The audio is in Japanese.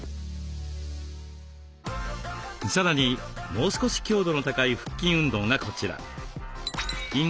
さらにもう少し強度の高い腹筋運動がこちら。